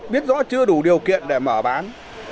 biết rõ chưa đủ điều kiện để mở bán